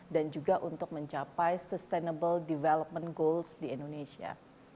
dan juga untuk mencapai sustainable development goals di indonesia